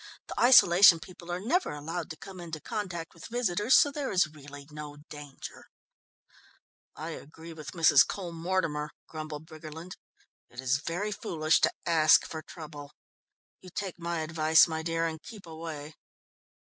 The isolation people are never allowed to come into contact with visitors, so there is really no danger." "I agree with Mrs. Cole Mortimer," grumbled Briggerland. "It is very foolish to ask for trouble. You take my advice, my dear, and keep away."